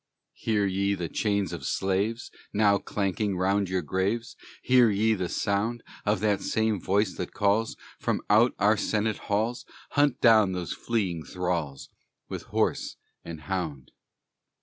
Hear ye the chains of slaves, Now clanking round your graves? Hear ye the sound Of that same voice that calls From out our Senate halls, "Hunt down those fleeing thralls, With horse and hound!"